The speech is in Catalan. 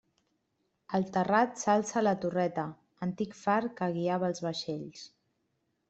Al terrat s'alça la torreta, antic far que guiava els vaixells.